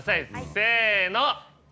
せの。